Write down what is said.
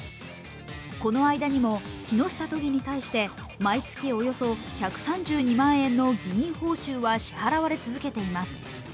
この間にも木下都議に対して毎月およそ１３２万円の議員報酬は支払われ続けています。